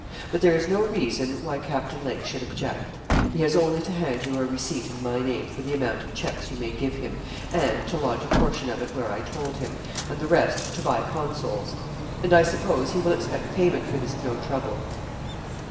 But there is no reason why Captain Lake should object. He has only to hand you a receipt in my name for the amount of cheques you may give him, and to lodge a portion of it where I told him, and the rest to buy Consols; and I suppose he will expect payment for his no trouble.